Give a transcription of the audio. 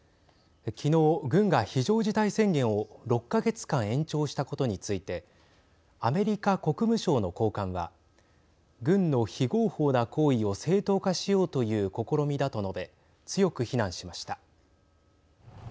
昨日、軍が非常事態宣言を６か月間延長したことについてアメリカ国務省の高官は軍の非合法な行為を正当化しようという試みだと述べ強く非難しました。